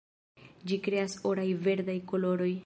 Ĝi kreas oraj-verdaj koloroj.